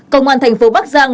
công an thành phố bắc giang